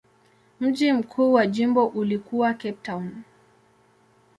Mji mkuu wa jimbo ulikuwa Cape Town.